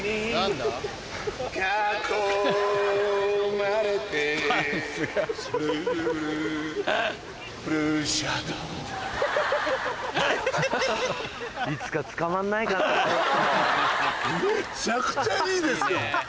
めちゃくちゃいいですよ！